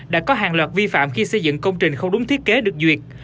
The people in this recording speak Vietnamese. đã có hàng loạt vi phạm khi xây dựng công trình không đúng thiết kế được duyệt